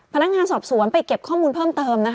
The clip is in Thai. พนักงานสอบสวนไปเก็บข้อมูลเพิ่มเติม